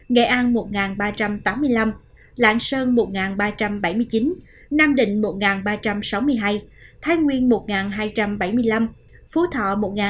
nghệ an một ba trăm tám mươi năm lạng sơn một ba trăm bảy mươi chín nam định một ba trăm sáu mươi hai thái nguyên một hai trăm bảy mươi năm phú thọ một năm mươi ba